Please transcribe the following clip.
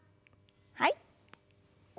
はい。